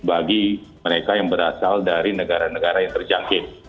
bagi mereka yang berasal dari negara negara yang terjangkit